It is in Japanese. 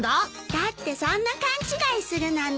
だってそんな勘違いするなんて。